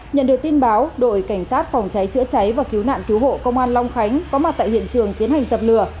nhận được tin báo đội cảnh sát phòng cháy chữa cháy và cứu nạn cứu hộ công an long khánh có mặt tại hiện trường tiến hành dập lửa